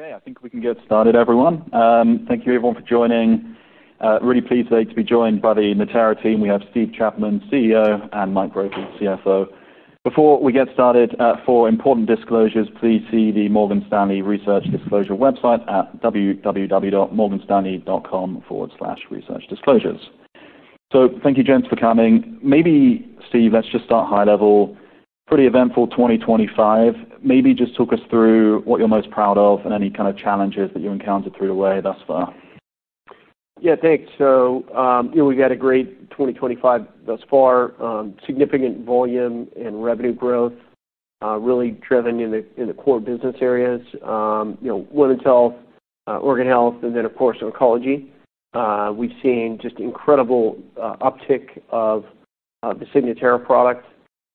Okay, I think we can get started, everyone. Thank you, everyone, for joining. I'm really pleased today to be joined by the Natera team. We have Steve Chapman, CEO, and Mike Brophy, CFO. Before we get started, for important disclosures, please see the Morgan Stanley Research Disclosure website at www.morganstanley.com/researchdisclosures. Thank you, gents, for coming. Maybe, Steve, let's just start high level. Pretty eventful 2025. Maybe just talk us through what you're most proud of and any kind of challenges that you encountered through the way thus far. Yeah, thanks. We've had a great 2025 thus far. Significant volume and revenue growth, really driven in the core business areas. One would tell organ health and then, of course, oncology. We've seen just incredible uptick of the Signatera product.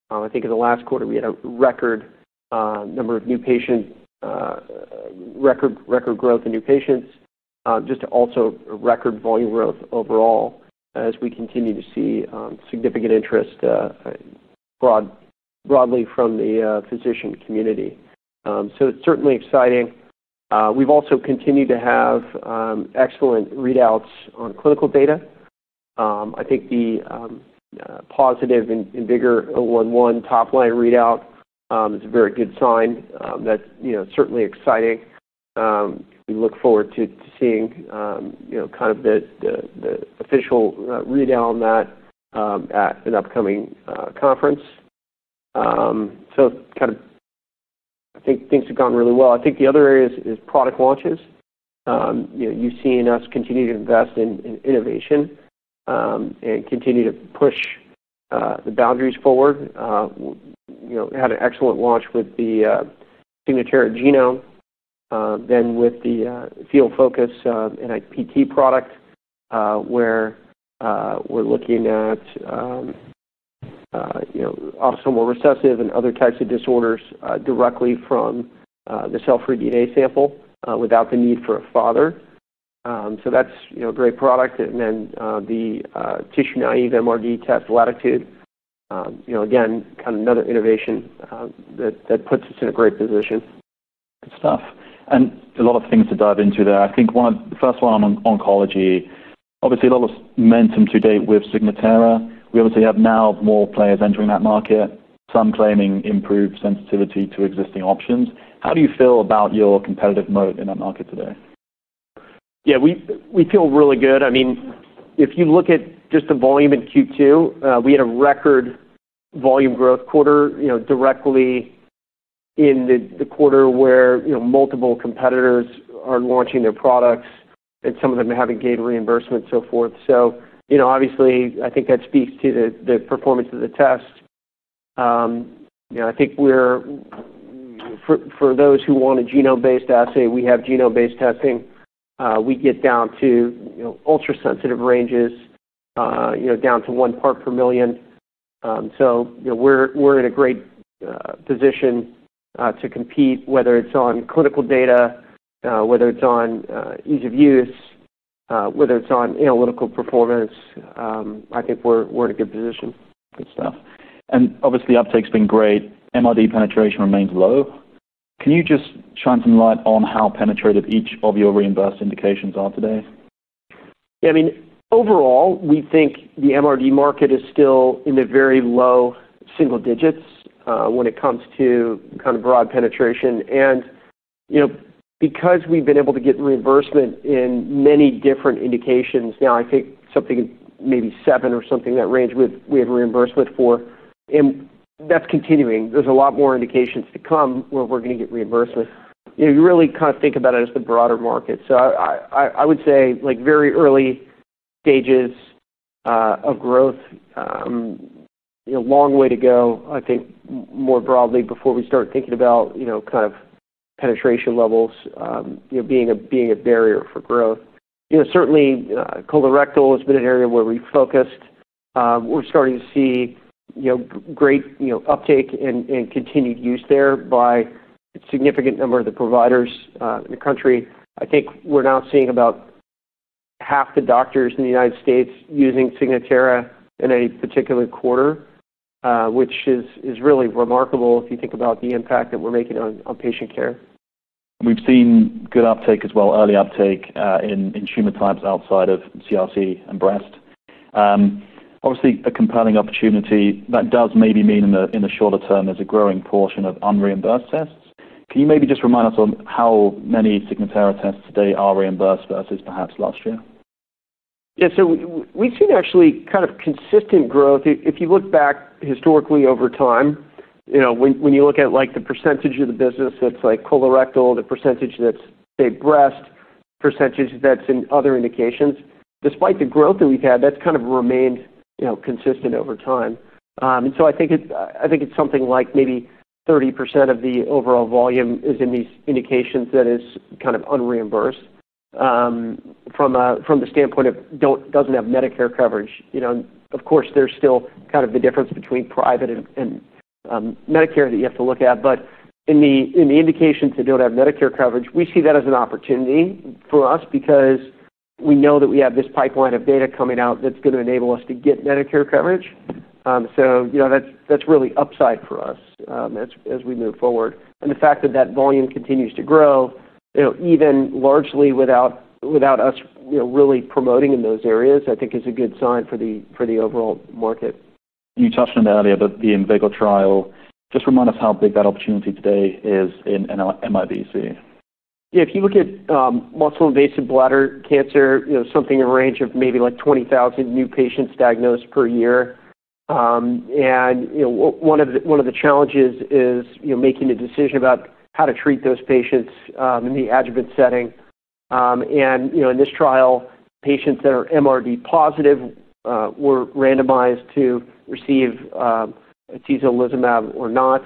I think in the last quarter, we had a record number of new patients, record growth in new patients, just also record volume growth overall as we continue to see significant interest broadly from the physician community. It's certainly exciting. We've also continued to have excellent readouts on clinical data. I think the positive and bigger 011 top line readout is a very good sign. That's certainly exciting. We look forward to seeing kind of the official readout on that at an upcoming conference. Things have gone really well. I think the other area is product launches. You've seen us continue to invest in innovation and continue to push the boundaries forward. We had an excellent launch with the Signatera Genome, then with the Fetal Focus NIPT product, where we're looking at autosomal recessive and other types of disorders directly from the cell-free DNA sample without the need for a father. That's a great product. Then the tissue-naive MRD test Latitude, again, kind of another innovation that puts us in a great position. Good stuff. A lot of things to dive into there. I think one of the first ones on oncology, obviously a lot of momentum to date with Signatera. We obviously have now more players entering that market, some claiming improved sensitivity to existing options. How do you feel about your competitive mode in that market today? Yeah, we feel really good. I mean, if you look at just the volume in Q2, we had a record volume growth quarter, directly in the quarter where multiple competitors are launching their products and some of them haven't gained reimbursement and so forth. Obviously, I think that speaks to the performance of the test. I think we're, for those who want a genome-based assay, we have genome-based testing. We get down to ultra-sensitive ranges, down to one part per million. We're in a great position to compete, whether it's on clinical data, whether it's on ease of use, whether it's on analytical performance. I think we're in a good position. Good stuff. Obviously, uptake's been great. MRD penetration remains low. Can you just shine some light on how penetrated each of your reimbursed indications are today? Yeah, I mean, overall, we think the MRD market is still in the very low single digits when it comes to kind of broad penetration. Because we've been able to get reimbursement in many different indications, now I think something in maybe seven or something in that range, we have reimbursement for. That's continuing. There's a lot more indications to come where we're going to get reimbursement. You really kind of think about it as the broader market. I would say like very early stages of growth, long way to go, I think more broadly before we start thinking about, you know, kind of penetration levels being a barrier for growth. Certainly, colorectal has been an area where we've focused. We're starting to see great uptake and continued use there by a significant number of the providers in the country. I think we're now seeing about half the doctors in the U.S. using Signatera in a particular quarter, which is really remarkable if you think about the impact that we're making on patient care. We've seen good uptake as well, early uptake in tumor types outside of CRC and breast. Obviously, a compelling opportunity that does maybe mean in the shorter term there's a growing portion of unreimbursed tests. Can you maybe just remind us on how many Signatera tests today are reimbursed versus perhaps last year? Yeah, so we've seen actually kind of consistent growth. If you look back historically over time, you know, when you look at like the % of the business that's like colorectal, the % that's say breast, % that's in other indications, despite the growth that we've had, that's kind of remained, you know, consistent over time. I think it's something like maybe 30% of the overall volume is in these indications that is kind of unreimbursed from the standpoint of doesn't have Medicare coverage. You know, of course, there's still kind of the difference between private and Medicare that you have to look at. In the indications that don't have Medicare coverage, we see that as an opportunity for us because we know that we have this pipeline of data coming out that's going to enable us to get Medicare coverage. You know, that's really upside for us as we move forward. The fact that that volume continues to grow, you know, even largely without us, you know, really promoting in those areas, I think is a good sign for the overall market. You touched on that earlier about the INVICTER trial. Just remind us how big that opportunity today is in MIBC. Yeah, if you look at muscle-invasive bladder cancer, you know, something in the range of maybe like 20,000 new patients diagnosed per year. One of the challenges is making a decision about how to treat those patients in the adjuvant setting. In this trial, patients that are MRD positive were randomized to receive atezolizumab or not.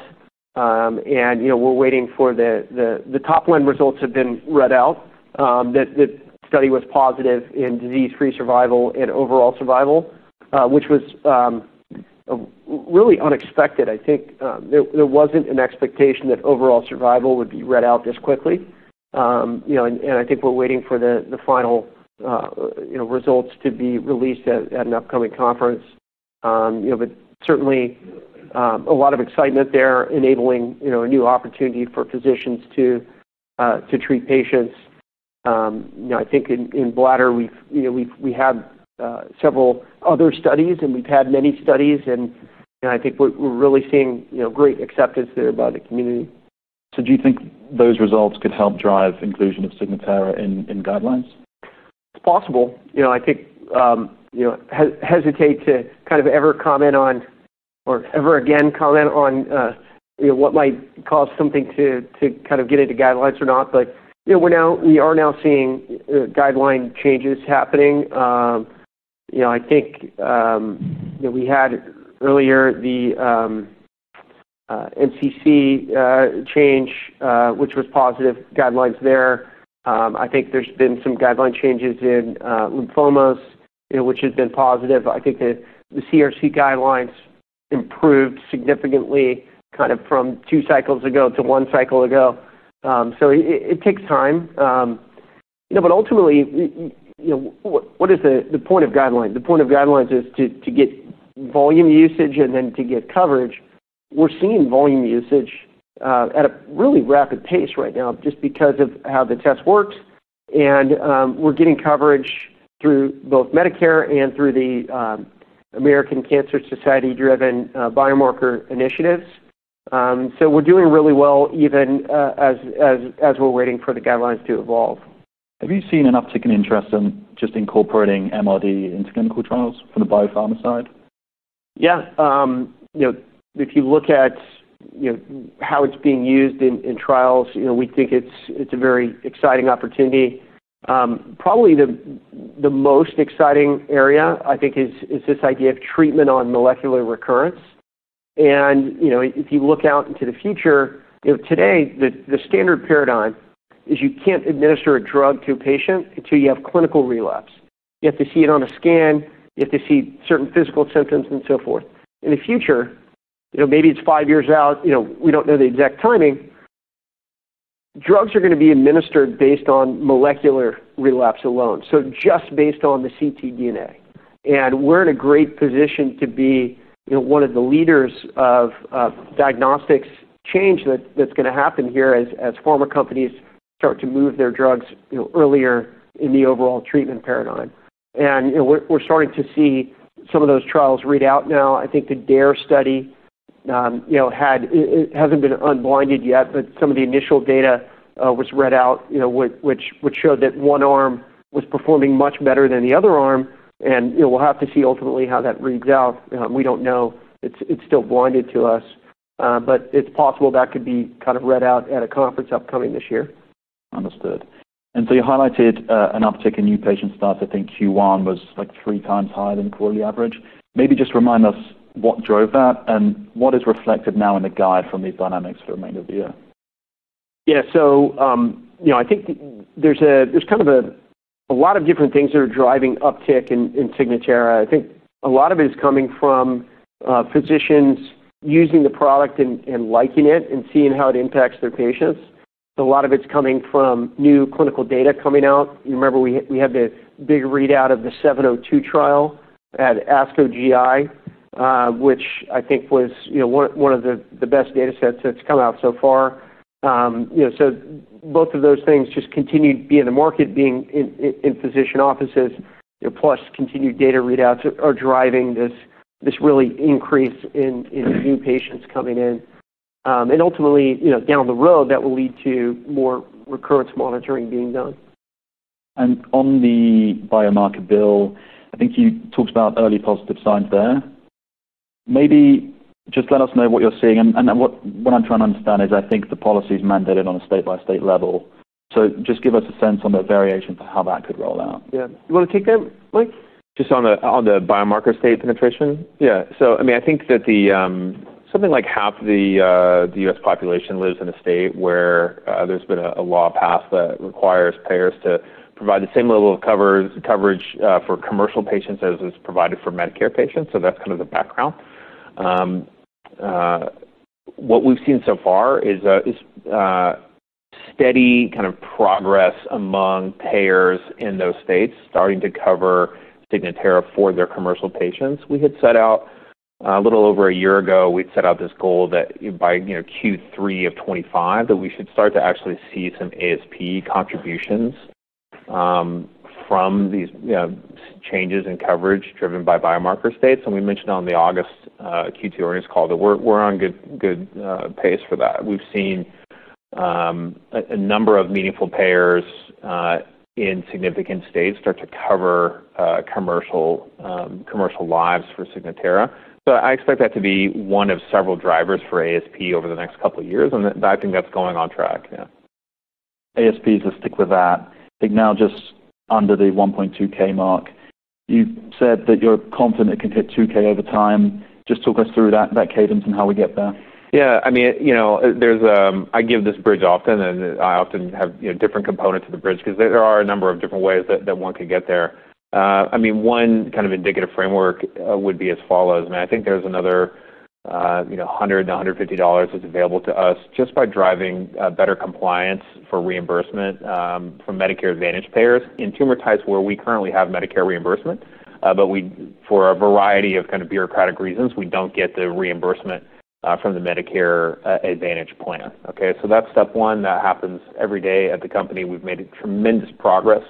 We're waiting for the top line results, have been read out that the study was positive in disease-free survival and overall survival, which was really unexpected. I think there wasn't an expectation that overall survival would be read out this quickly. I think we're waiting for the final results to be released at an upcoming conference. Certainly, a lot of excitement there enabling a new opportunity for physicians to treat patients. I think in bladder, we have several other studies and we've had many studies and I think we're really seeing great acceptance there by the community. Do you think those results could help drive inclusion of Signatera in guidelines? It's possible. I think, you know, I hesitate to ever comment on what might cause something to get into guidelines or not. We're now seeing guideline changes happening. I think we had earlier the MCC change, which was positive guidelines there. I think there's been some guideline changes in lymphomas, which has been positive. I think the CRC guidelines improved significantly from two cycles ago to one cycle ago. It takes time. Ultimately, what is the point of guideline? The point of guidelines is to get volume usage and then to get coverage. We're seeing volume usage at a really rapid pace right now just because of how the test works. We're getting coverage through both Medicare and through the American Cancer Society-driven biomarker initiatives. We're doing really well even as we're waiting for the guidelines to evolve. Have you seen an uptick in interest in just incorporating MRD into clinical trials for the biopharma side? Yeah. If you look at how it's being used in trials, we think it's a very exciting opportunity. Probably the most exciting area is this idea of treatment on molecular recurrence. If you look out into the future, today the standard paradigm is you can't administer a drug to a patient until you have clinical relapse. You have to see it on a scan. You have to see certain physical symptoms and so forth. In the future, maybe it's five years out, we don't know the exact timing, drugs are going to be administered based on molecular relapse alone, just based on the CT DNA. We're in a great position to be one of the leaders of diagnostics change that's going to happen here as pharma companies start to move their drugs earlier in the overall treatment paradigm. We're starting to see some of those trials read out now. I think the DARE study hasn't been unblinded yet, but some of the initial data was read out, which showed that one arm was performing much better than the other arm. We'll have to see ultimately how that reads out. We don't know. It's still blinded to us. It's possible that could be kind of read out at a conference upcoming this year. Understood. You highlighted an uptick in new patient stats. I think Q1 was like three times higher than the quarterly average. Maybe just remind us what drove that and what is reflected now in the guide from the dynamics for the remainder of the year. Yeah, so, you know, I think there's a, there's kind of a lot of different things that are driving uptick in Signatera. I think a lot of it is coming from physicians using the product and liking it and seeing how it impacts their patients. A lot of it's coming from new clinical data coming out. You remember we had the big readout of the 702 trial at ASCO GI, which I think was, you know, one of the best data sets that's come out so far. Both of those things just continue to be in the market, being in physician offices, you know, plus continued data readouts are driving this really increase in new patients coming in. Ultimately, you know, down the road, that will lead to more recurrence monitoring being done. On the biomarker bill, I think you talked about early positive signs there. Maybe just let us know what you're seeing. What I'm trying to understand is I think the policy is mandated on a state-by-state level. Just give us a sense on the variation for how that could roll out. Yeah, you want to kick it, Mike? Just on the biomarker state penetration. Yeah, so I mean, I think that something like half the U.S. population lives in a state where there's been a law passed that requires payers to provide the same level of coverage for commercial patients as is provided for Medicare patients. That's kind of the background. What we've seen so far is a steady kind of progress among payers in those states starting to cover Signatera for their commercial patients. We had set out a little over a year ago, we'd set out this goal that by Q3 of 2025 that we should start to actually see some ASP contributions from these changes in coverage driven by biomarker states. We mentioned on the August Q2 earnings call that we're on a good pace for that. We've seen a number of meaningful payers in significant states start to cover commercial lives for Signatera. I expect that to be one of several drivers for ASP over the next couple of years. I think that's going on track. Yeah. ASP, so stick with that. I think now just under the $1,200 mark. You've said that you're confident it can hit $2,000 over time. Just talk us through that cadence and how we get there. Yeah, I mean, you know, I give this bridge often and I often have different components of the bridge because there are a number of different ways that one could get there. I mean, one kind of indicative framework would be as follows. I think there's another $100 - $150 that's available to us just by driving better compliance for reimbursement from Medicare Advantage payers in tumor types where we currently have Medicare reimbursement. For a variety of bureaucratic reasons, we don't get the reimbursement from the Medicare Advantage plan. That's step one. That happens every day at the company. We've made tremendous progress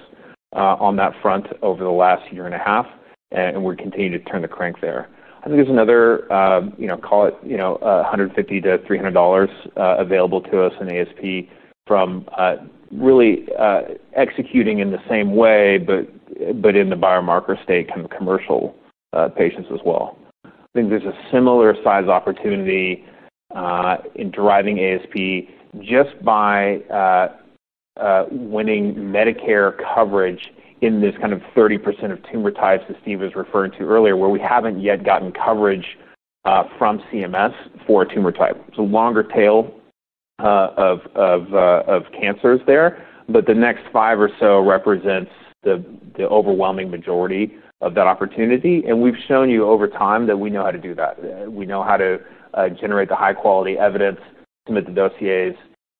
on that front over the last year and a half, and we continue to turn the crank there. I think there's another, call it $150 - $300 available to us in ASP from really executing in the same way, but in the biomarker state and commercial patients as well. I think there's a similar size opportunity in driving ASP just by winning Medicare coverage in this kind of 30% of tumor types that Steve was referring to earlier, where we haven't yet gotten coverage from CMS for tumor type. It's a longer tail of cancers there. The next five or so represents the overwhelming majority of that opportunity. We've shown you over time that we know how to do that. We know how to generate the high-quality evidence, submit the dossiers,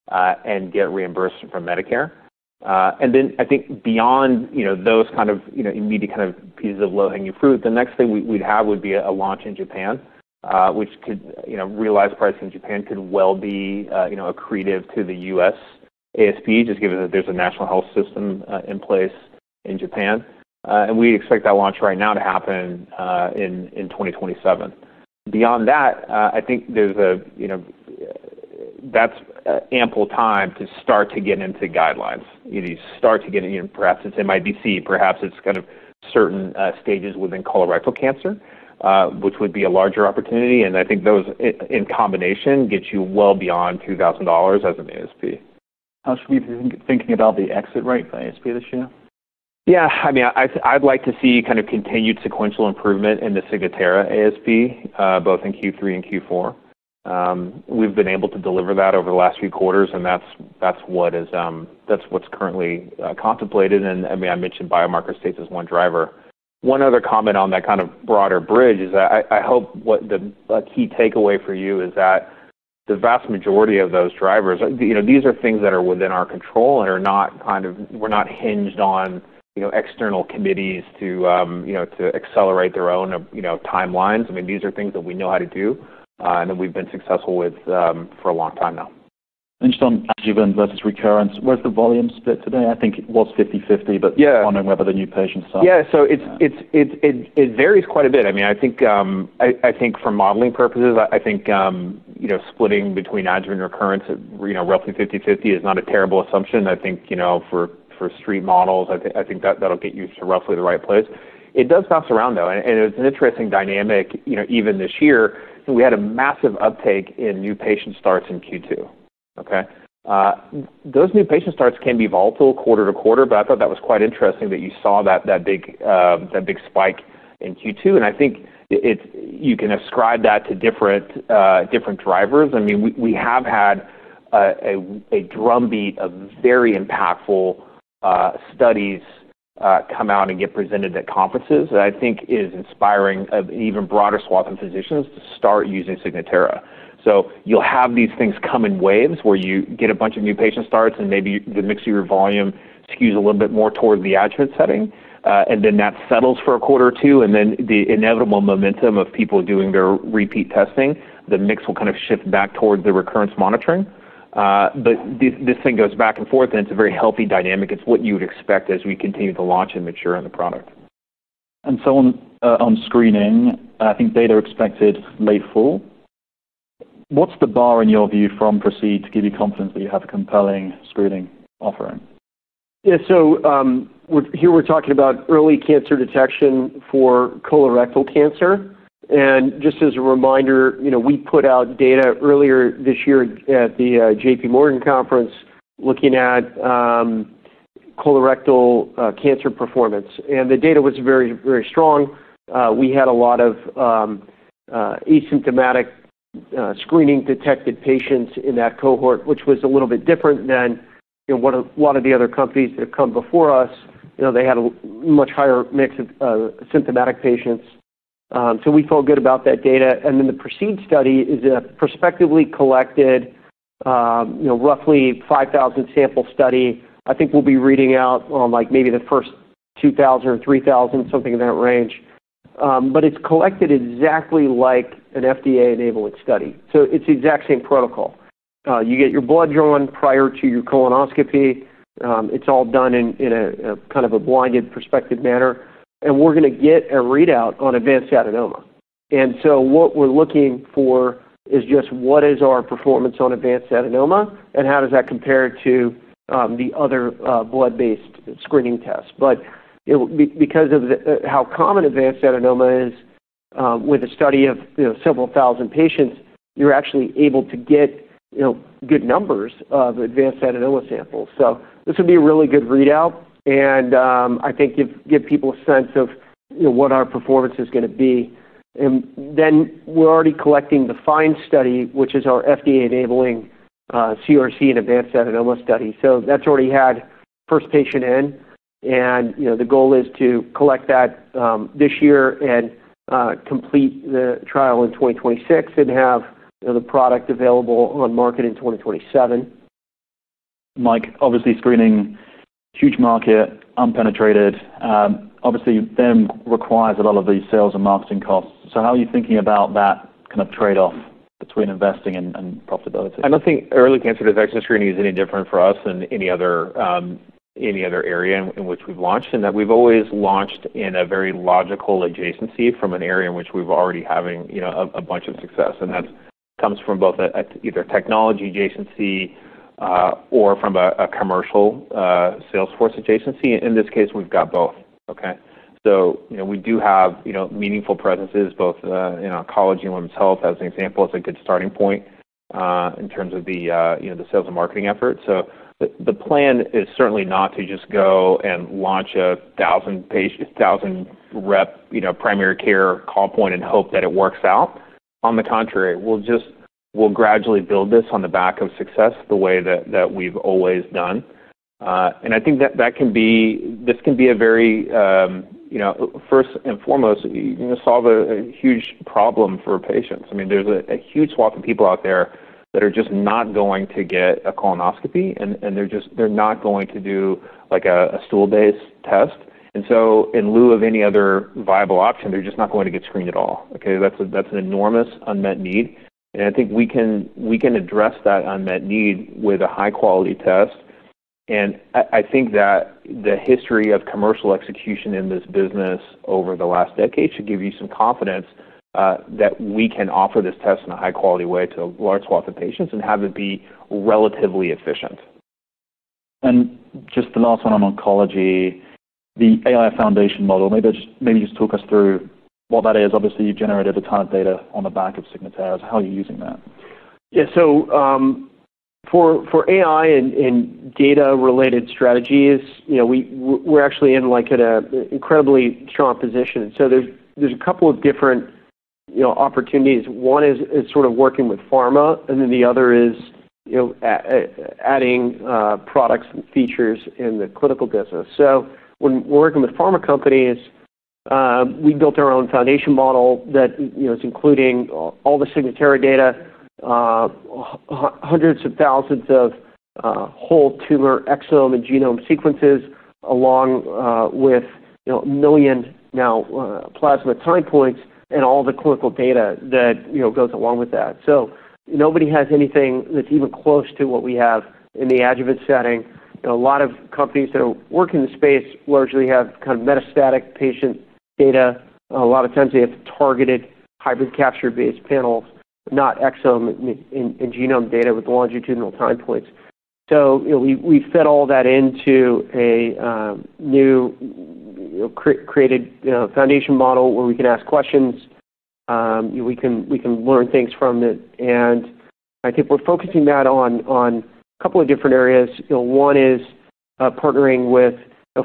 and get reimbursement from Medicare. Beyond those immediate pieces of low-hanging fruit, the next thing we'd have would be a launch in Japan, which could realize pricing in Japan could well be accretive to the U.S. ASP, just given that there's a national health system in place in Japan. We expect that launch right now to happen in 2027. Beyond that, I think that's ample time to start to get into guidelines. You start to get, perhaps it's MIBC, perhaps it's certain stages within colorectal cancer, which would be a larger opportunity. I think those in combination get you well beyond $2,000 as an ASP. How should we be thinking about the exit rate for ASP this year? Yeah, I mean, I'd like to see kind of continued sequential improvement in the Signatera ASP, both in Q3 and Q4. We've been able to deliver that over the last few quarters, and that's what's currently contemplated. I mentioned biomarker states as one driver. One other comment on that kind of broader bridge is that I hope what the key takeaway for you is that the vast majority of those drivers, you know, these are things that are within our control and are not kind of, we're not hinged on external committees to accelerate their own timelines. These are things that we know how to do and that we've been successful with for a long time now. On adjuvant versus recurrence, where's the volume split today? I think it was 50-50, but I'm wondering whether the new patient size. Yeah, so it varies quite a bit. I mean, I think for modeling purposes, splitting between adjuvant and recurrence, roughly 50-50 is not a terrible assumption. I think for street models, that'll get you to roughly the right place. It does bounce around though, and it's an interesting dynamic, even this year. We had a massive uptake in new patient starts in Q2. Those new patient starts can be volatile quarter- to- quarter, but I thought that was quite interesting that you saw that big spike in Q2. I think you can ascribe that to different drivers. We have had a drumbeat of very impactful studies come out and get presented at conferences that I think is inspiring an even broader swath of physicians to start using Signatera. You'll have these things come in waves where you get a bunch of new patient starts and maybe the mix of your volume skews a little bit more toward the adjuvant setting. That settles for a quarter or two, and then the inevitable momentum of people doing their repeat testing, the mix will kind of shift back toward the recurrence monitoring. This thing goes back and forth, and it's a very healthy dynamic. It's what you would expect as we continue to launch and mature on the product. On screening, I think data are expected late fall. What's the bar in your view from Proceed to give you confidence that you have a compelling screening offering? Yeah, so here we're talking about early cancer detection for colorectal cancer. Just as a reminder, we put out data earlier this year at the JP Morgan conference looking at colorectal cancer performance, and the data was very, very strong. We had a lot of asymptomatic screening detected patients in that cohort, which was a little bit different than what a lot of the other companies that have come before us. They had a much higher mix of symptomatic patients. We felt good about that data. The Proceed study is a prospectively collected, roughly 5,000 sample study. I think we'll be reading out on maybe the first 2,000 or 3,000, something in that range. It's collected exactly like an FDA-enabled study, so it's the exact same protocol. You get your blood drawn prior to your colonoscopy. It's all done in a kind of a blinded prospective manner. We're going to get a readout on advanced adenoma. What we're looking for is just what is our performance on advanced adenoma and how does that compare to the other blood-based screening tests. Because of how common advanced adenoma is, with a study of several thousand patients, you're actually able to get good numbers of advanced adenoma samples. This would be a really good readout, and I think give people a sense of what our performance is going to be. We're already collecting the FIND study, which is our FDA-enabling CRC and advanced adenoma study. That's already had first patient in, and the goal is to collect that this year and complete the trial in 2026 and have the product available on market in 2027. Mike, obviously screening, huge market, unpenetrated. That requires a lot of these sales and marketing costs. How are you thinking about that kind of trade-off between investing and profitability? I don't think early cancer detection screening is any different for us than any other area in which we've launched. We've always launched in a very logical adjacency from an area in which we've already had a bunch of success. That comes from both either technology adjacency or from a commercial salesforce adjacency. In this case, we've got both. You know we do have meaningful presences both in oncology and women's health as an example as a good starting point in terms of the sales and marketing effort. The plan is certainly not to just go and launch a thousand rep, you know, primary care call point and hope that it works out. On the contrary, we'll gradually build this on the back of success the way that we've always done. I think that this can be a very, you know, first and foremost, you're going to solve a huge problem for patients. I mean, there's a huge swath of people out there that are just not going to get a colonoscopy and they're just, they're not going to do like a stool-based test. In lieu of any other viable option, they're just not going to get screened at all. That's an enormous unmet need. I think we can address that unmet need with a high-quality test. I think that the history of commercial execution in this business over the last decade should give you some confidence that we can offer this test in a high-quality way to a large swath of patients and have it be relatively efficient. Just the last one on oncology, the AI-driven foundation model, maybe just talk us through what that is. Obviously, you've generated a ton of data on the back of Signatera. How are you using that? Yeah, so for AI and data-related strategies, we're actually in an incredibly strong position. There's a couple of different opportunities. One is sort of working with pharma, and then the other is adding products and features in the clinical business. When we're working with pharma companies, we built our own foundation model that is including all the Signatera data, hundreds of thousands of whole tumor exome and genome sequences, along with a million now plasma time points and all the clinical data that goes along with that. Nobody has anything that's even close to what we have in the adjuvant setting. A lot of companies that are working in the space largely have kind of metastatic patient data. A lot of times they have targeted hybrid capture-based panels, not exome and genome data with longitudinal time points. We fed all that into a new created foundation model where we can ask questions. We can learn things from it. I think we're focusing that on a couple of different areas. One is partnering with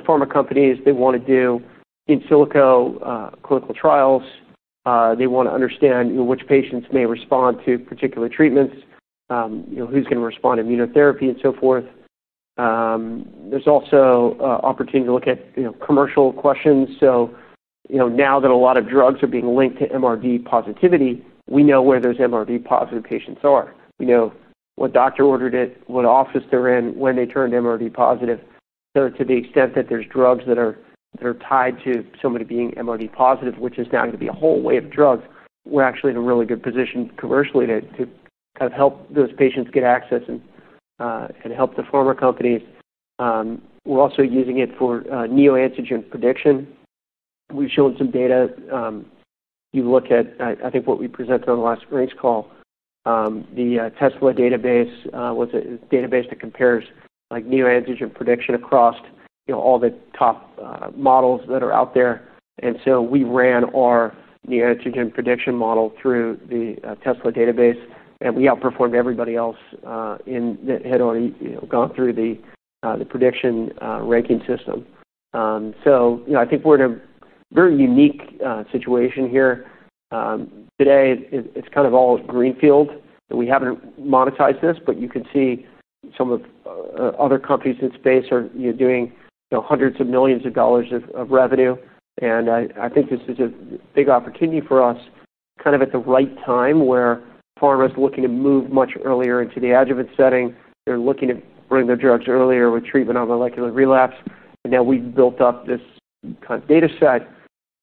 pharma companies. They want to do in silico clinical trials. They want to understand which patients may respond to particular treatments, who's going to respond to immunotherapy and so forth. There's also an opportunity to look at commercial questions. Now that a lot of drugs are being linked to MRD positivity, we know where those MRD positive patients are. We know what doctor ordered it, what office they're in, when they turned MRD positive. To the extent that there's drugs that are tied to somebody being MRD positive, which is now going to be a whole wave of drugs, we're actually in a really good position commercially to help those patients get access and help the pharma companies. We're also using it for neoantigene prediction. We've shown some data. You look at, I think what we presented on the last earnings call, the Tesla database was a database that compares neoantigene prediction across all the top models that are out there. We ran our neoantigene prediction model through the Tesla database, and we outperformed everybody else that had already gone through the prediction ranking system. I think we're in a very unique situation here. Today, it's kind of all greenfield, but we haven't monetized this, but you can see some of the other companies in the space are doing hundreds of millions of dollars of revenue. I think this is a big opportunity for us kind of at the right time where pharma is looking to move much earlier into the adjuvant setting. They're looking to bring their drugs earlier with treatment on molecular relapse. Now we've built up this kind of data set.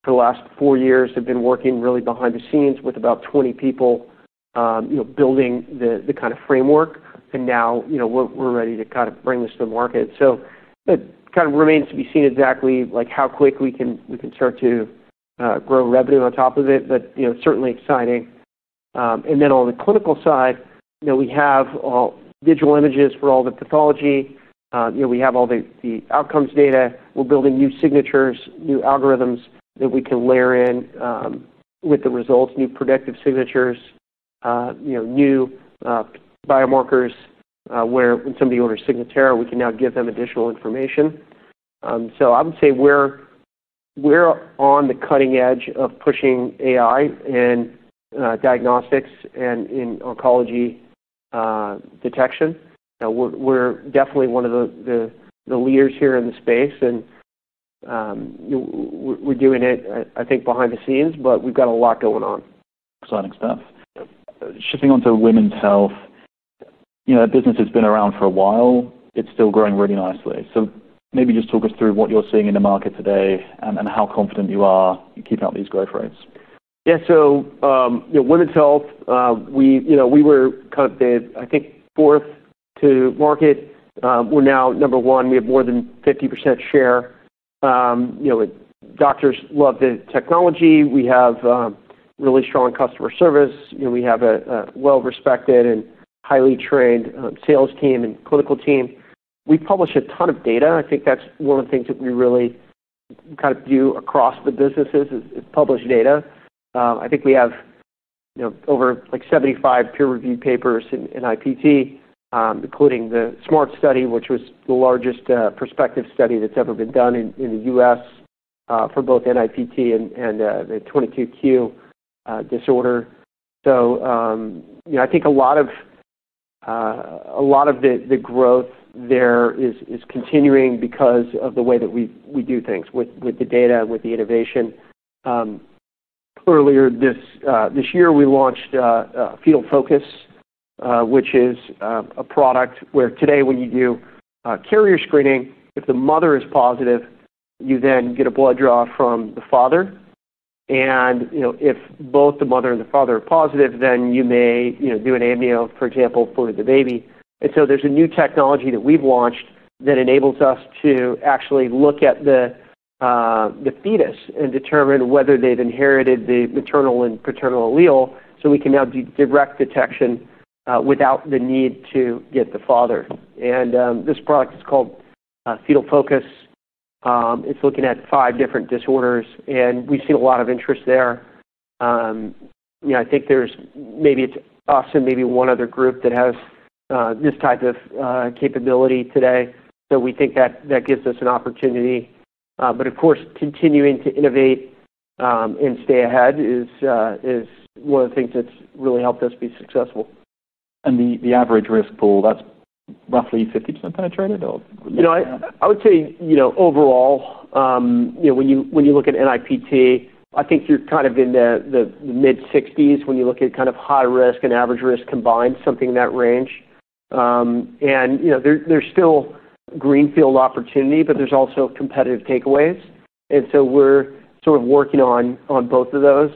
The last four years have been working really behind the scenes with about 20 people building the kind of framework. Now we're ready to kind of bring this to the market. It kind of remains to be seen exactly how quickly we can start to grow revenue on top of it, but it's certainly exciting. On the clinical side, we have all digital images for all the pathology. We have all the outcomes data. We're building new signatures, new algorithms that we can layer in with the results, new predictive signatures, new biomarkers where when somebody orders Signatera, we can now give them additional information. I would say we're on the cutting edge of pushing AI in diagnostics and in oncology detection. We're definitely one of the leaders here in the space. We're doing it, I think, behind the scenes, but we've got a lot going on. Exciting stuff. Shifting onto women's health, that business has been around for a while. It's still growing really nicely. Maybe just talk us through what you're seeing in the market today and how confident you are keeping up these growth rates. Yeah, so, you know, women's health, we were kind of the, I think, fourth to market. We're now number one. We have more than 50% share. Doctors love the technology. We have really strong customer service. We have a well-respected and highly trained sales team and clinical team. We publish a ton of data. I think that's one of the things that we really kind of do across the businesses is publish data. I think we have over like 75 peer-reviewed papers in NIPT, including the SMART study, which was the largest prospective study that's ever been done in the U.S. for both NIPT and the 22q disorder. I think a lot of the growth there is continuing because of the way that we do things with the data and with the innovation. Earlier this year, we launched Fetal Focus, which is a product where today when you do carrier screening, if the mother is positive, you then get a blood draw from the father. If both the mother and the father are positive, then you may do an amnio, for example, for the baby. There is a new technology that we've launched that enables us to actually look at the fetus and determine whether they've inherited the maternal and paternal allele. We can now do direct detection without the need to get the father. This product is called Fetal Focus. It's looking at five different disorders. We've seen a lot of interest there. I think there's maybe it's us and maybe one other group that has this type of capability today. We think that that gives us an opportunity. Of course, continuing to innovate and stay ahead is one of the things that's really helped us be successful. The average risk pool, that's roughly 50% penetrated? I would say, overall, when you look at NIPT, I think you're kind of in the mid-60% when you look at high risk and average risk combined, something in that range. There's still greenfield opportunity, but there's also competitive takeaways. We're sort of working on both of those.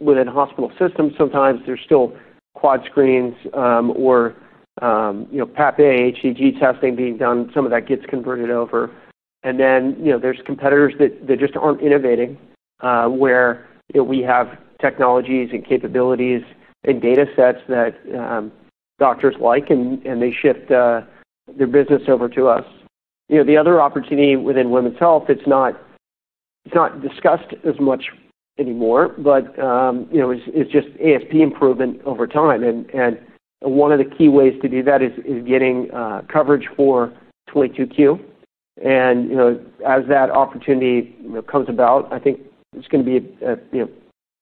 Within hospital systems, sometimes there's still quad screens or PAPP-A, HCG testing being done. Some of that gets converted over. There are competitors that just aren't innovating, where we have technologies and capabilities and data sets that doctors like, and they shift their business over to us. The other opportunity within women's health, it's not discussed as much anymore, is just ASP improvement over time. One of the key ways to do that is getting coverage for 22q. As that opportunity comes about, I think there's going to be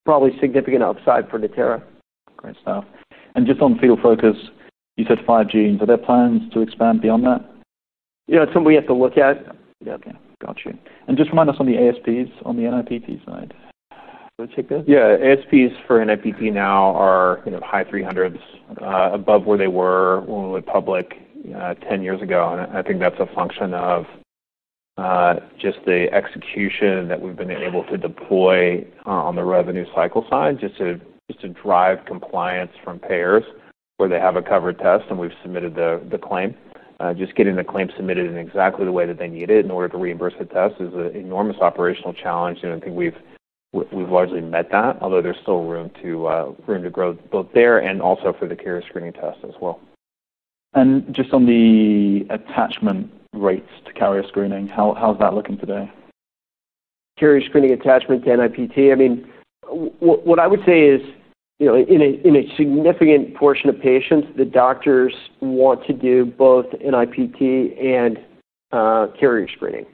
probably significant upside for Natera. Great stuff. On Fetal Focus, you said five genes. Are there plans to expand beyond that? You know, it's something we have to look at. Okay. Got you. Just remind us on the ASPs on the NIPT side. Yeah, ASPs for NIPT now are, you know, high $300s, above where they were when we went public, 10 years ago. I think that's a function of just the execution that we've been able to deploy on the revenue cycle side just to drive compliance from payers where they have a covered test and we've submitted the claim. Just getting the claim submitted in exactly the way that they need it in order to reimburse the test is an enormous operational challenge. I think we've largely met that, although there's still room to grow both there and also for the carrier screening test as well. How is the attachment rate to carrier screening looking today? Carrier screening attachment to NIPT, I mean, what I would say is, in a significant portion of patients, the doctors want to do both NIPT and carrier screening.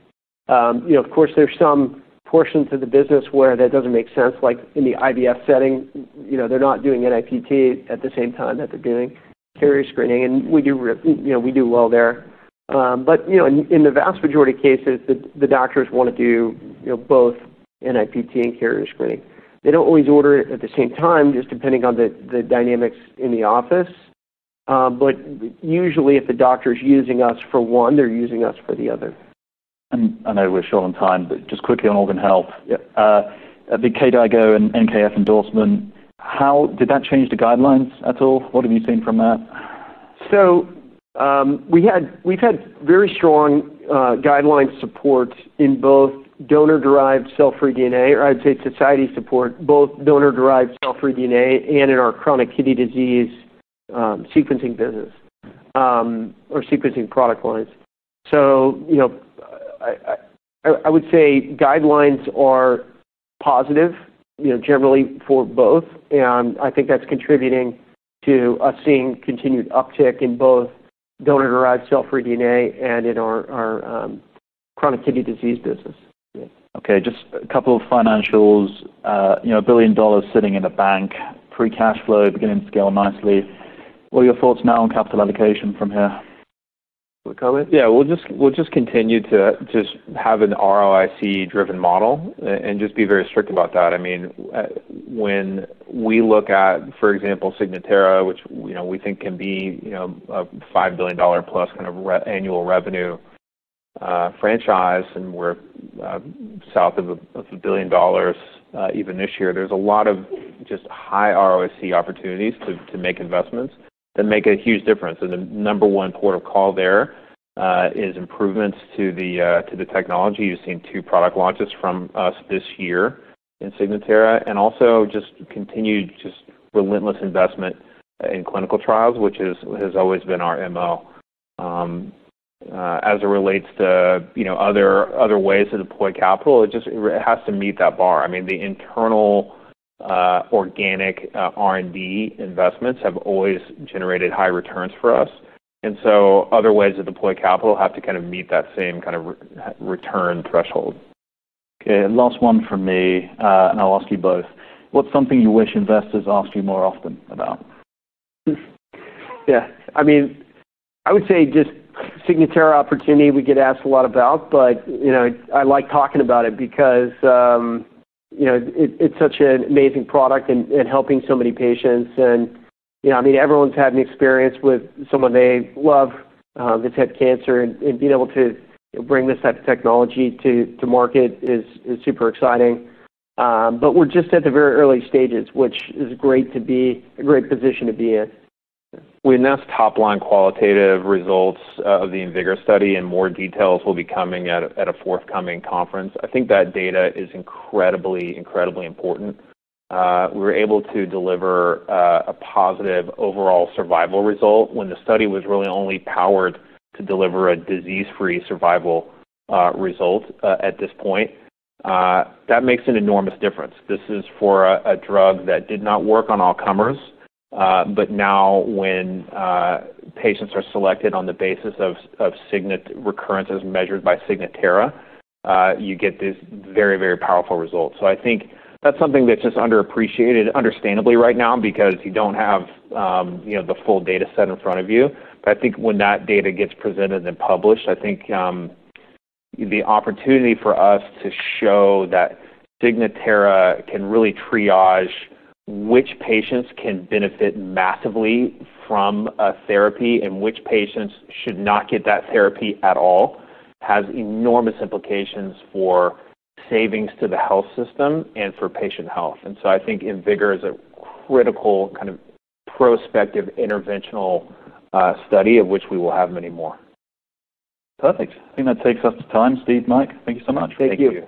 Of course, there's some portions of the business where that doesn't make sense, like in the IVF setting, they're not doing NIPT at the same time that they're doing carrier screening. We do well there, but in the vast majority of cases, the doctors want to do both NIPT and carrier screening. They don't always order it at the same time, just depending on the dynamics in the office, but usually, if the doctor's using us for one, they're using us for the other. I know we're short on time, but just quickly on organ health, the KDIGO and NKF endorsement, how did that change the guidelines at all? What have you seen from that? We have had very strong guideline support in both donor-derived cell-free DNA, or I'd say society support for both donor-derived cell-free DNA and in our chronic kidney disease sequencing business, or sequencing product lines. Guidelines are positive, generally for both. I think that's contributing to us seeing continued uptick in both donor-derived cell-free DNA and in our chronic kidney disease business. Yeah, okay, just a couple of financials. You know, $1 billion sitting in a bank, pre-cash flow, beginning to scale nicely. What are your thoughts now on capital allocation from here? We'll just continue to have an ROIC-driven model and be very strict about that. I mean, when we look at, for example, Signatera, which, you know, we think can be a $5 billion plus kind of annual revenue franchise, and we're south of a billion dollars even this year, there's a lot of just high ROIC opportunities to make investments that make a huge difference. The number one port of call there is improvements to the technology. You've seen two product launches from us this year in Signatera and also just continued relentless investment in clinical trials, which has always been our MO. As it relates to other ways to deploy capital, it has to meet that bar. I mean, the internal, organic R&D investments have always generated high returns for us, so other ways to deploy capital have to kind of meet that same kind of return threshold. Okay, last one from me, and I'll ask you both. What's something you wish investors asked you more often about? Yeah, I mean, I would say just Signatera opportunity we get asked a lot about, but, you know, I like talking about it because, you know, it's such an amazing product and helping so many patients. You know, I mean, everyone's had an experience with someone they love, that's had cancer and being able to bring this type of technology to market is super exciting. We're just at the very early stages, which is great to be a great position to be in. We announced top line qualitative results of the IMVigor study, and more details will be coming at a forthcoming conference. I think that data is incredibly, incredibly important. We were able to deliver a positive overall survival result when the study was really only powered to deliver a disease-free survival result at this point. That makes an enormous difference. This is for a drug that did not work on all comers, but now when patients are selected on the basis of recurrences measured by Signatera, you get this very, very powerful result. I think that's something that's just underappreciated, understandably right now because you don't have the full data set in front of you. I think when that data gets presented and published, the opportunity for us to show that Signatera can really triage which patients can benefit massively from a therapy and which patients should not get that therapy at all has enormous implications for savings to the health system and for patient health. I think InVigor is a critical kind of prospective interventional study of which we will have many more. Perfect. I think that takes us to time. Steve, Mike, thank you so much. Thank you.